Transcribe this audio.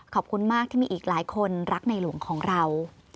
ขอบคุณมากที่มีอีกหลายคนรักในหลวงของเรา